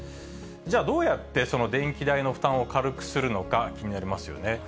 じゃあ、どうやって電気代の負担を軽くするのか、気になりますよね。